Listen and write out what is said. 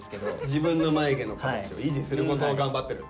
自分のまゆげの形を維持することを頑張ってる。